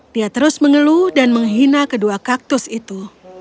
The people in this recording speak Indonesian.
dia terus mengeluh dan menghina kedua kaktus itu